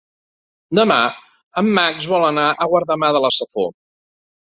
Demà en Max vol anar a Guardamar de la Safor.